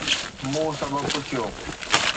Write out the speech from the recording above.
مون سبب پڇيو.